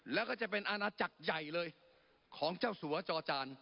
แล้วก็จะเป็นอาณาจักรใหญ่เลยของเจ้าสัวจอจาน